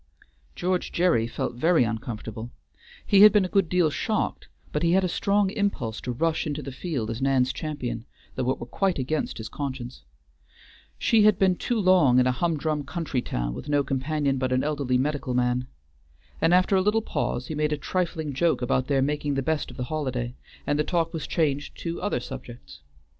George Gerry felt very uncomfortable. He had been a good deal shocked, but he had a strong impulse to rush into the field as Nan's champion, though it were quite against his conscience. She had been too long in a humdrum country town with no companion but an elderly medical man. And after a little pause he made a trifling joke about their making the best of the holiday, and the talk was changed to other subjects.